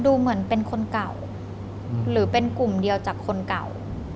ดูเหมือนเป็นคนเก่าหรือเป็นกลุ่มเดียวจากคนเก่า